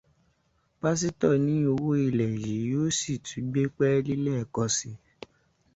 Pásítọ̀ ní owó ilẹ̀ yìí yóò sì tún gbé pẹ́ẹ́lí lẹ́ẹ̀kàn síi